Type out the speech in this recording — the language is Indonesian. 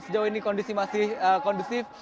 sejauh ini kondisi masih kondusif